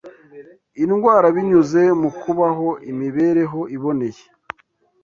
indwara binyuze mu kubaho imibereho iboneye.